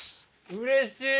うれしい！